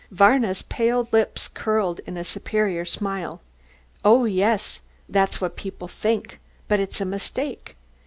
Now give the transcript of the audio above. Varna's pale lips curled in a superior smile. "Oh, yes that's what people think, but it's a mistake.